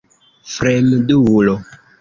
Fremdulo!